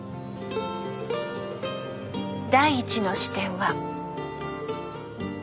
第１の視点は。